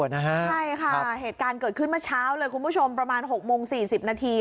ใช่ค่ะเหตุการณ์เกิดขึ้นเมื่อเช้าเลยคุณผู้ชมประมาณ๖โมง๔๐นาที